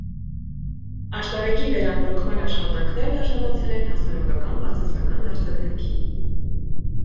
Աշտարակի վերանորոգման աշխատանքներն արժանացել են հասարակական բացասական արձագանքի։